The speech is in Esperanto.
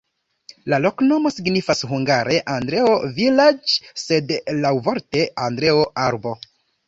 La loknomo signifas hungare: Andreo-vilaĝ', sed laŭvorte Andreo-arbo.